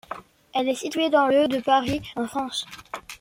Elle est située dans le de Paris, en France.